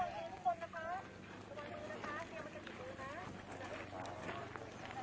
สวัสดีทุกคน